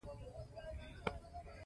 افغانستان د آمو سیند له پلوه متنوع دی.